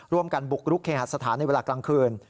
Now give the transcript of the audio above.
ร่วมกันบุกรุกเคหสถานในเวลากลางคืน